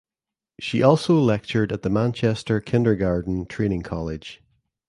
She also lectured at the Manchester Kindergarten Training College.